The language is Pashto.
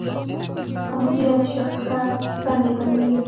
ښه مدیریت د شرکت بڼې بدلوي.